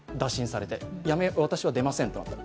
私は出ませんとなった。